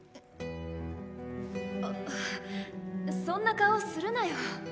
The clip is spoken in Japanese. あっそんな顔するなよ。